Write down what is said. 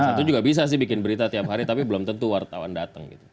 satu juga bisa sih bikin berita tiap hari tapi belum tentu wartawan datang gitu